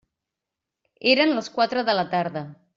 Eren les quatre de la tarda.